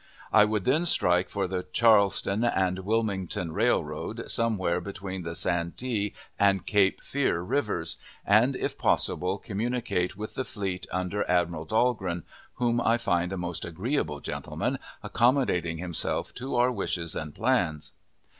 I would then strike for the Charleston & Wilmington Railroad, somewhere between the Santee and Cape Fear Rivers, and, if possible, communicate with the fleet under Admiral Dahlgren (whom I find a most agreeable gentleman, accommodating himself to our wishes and plans).